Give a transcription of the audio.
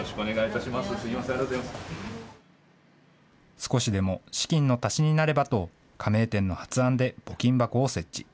少しでも資金の足しになればと、加盟店の発案で募金箱を設置。